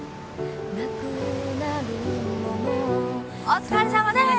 お疲れさまです！